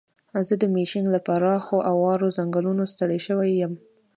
زه د میشیګن له پراخو اوارو ځنګلونو ستړی شوی یم.